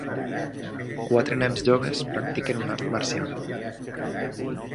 Quatre nens joves practiquen un art marcial.